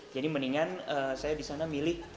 jadi mendingan saya di sana milih